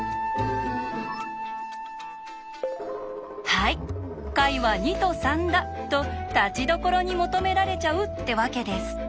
はい解は２と３だとたちどころに求められちゃうってわけです。